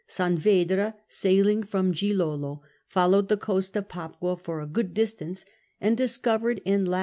Sanvedra, sailing from Gilolo, folloAvcd the coast of Papua for a good distance, and discovered in lat.